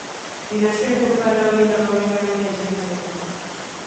Dinastiako faraoien aurrekaria izan zen.